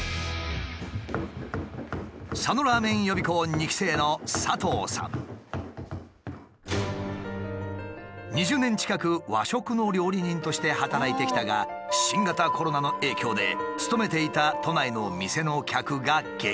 ２期生の２０年近く和食の料理人として働いてきたが新型コロナの影響で勤めていた都内の店の客が激減。